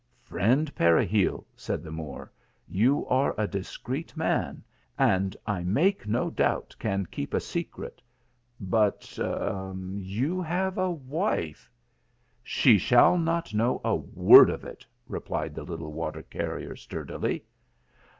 " Friend Peregil," said the Moor, " you are a dis creet man, and I make no doubt can keep a secret ; but you have a wife "" She shall not know a word of it !" replied the little water carrier sturdily.